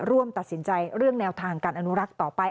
ร่วมตัดสินใจเรื่องแนวทางการอนุรักษ์ต่อไป